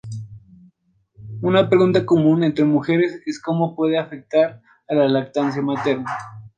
Una pregunta común entre las mujeres es cómo puede afectar a la lactancia materna.